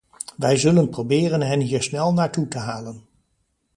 Wij zullen proberen hen hier snel naartoe te halen.